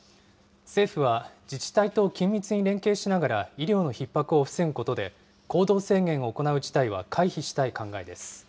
政府は自治体と緊密に連携しながら、医療のひっ迫を防ぐことで、行動制限を行う事態は回避したい考えです。